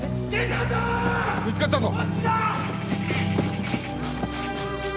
見つかったぞ。